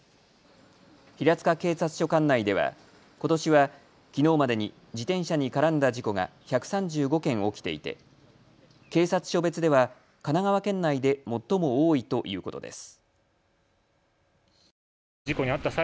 平塚警察署管内ではことしは、きのうまでに自転車に絡んだ事故が１３５件起きていて警察署別では神奈川県内で最も多いということです。